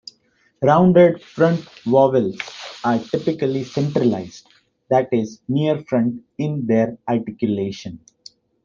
Rounded front vowels are typically centralized, that is, near-front in their articulation.